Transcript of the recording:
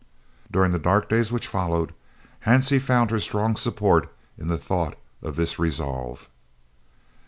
During the dark days which followed Hansie found her strong support in the thought of this resolve.